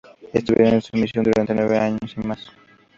Estuvieron en su misión durante nueve años y más.